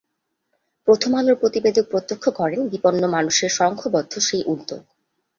প্রথমআলোর প্রতিবেদক প্রত্যক্ষ করেন বিপন্ন মানুষের সংঘবদ্ধ সেই উদ্যোগ।